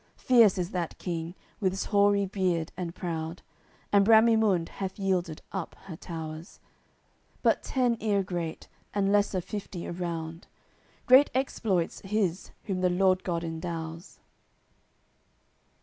Fierce is that King, with 's hoary beard, and proud, And Bramimunde hath yielded up her towers; But ten ere great, and lesser fifty around. Great exploits his whom the Lord God endows!